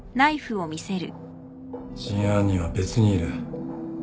真犯人は別にいる。